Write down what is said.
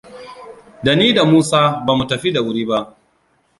Da ni da Musa bamu tafi da wuri ba.